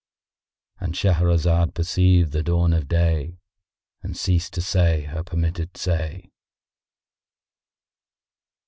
——And Shahrazad perceived the dawn of day and ceased to say her permitted say.